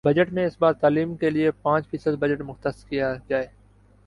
budget میں اس بار تعلیم کے لیے پانچ فیصد بجٹ مختص کیا جائے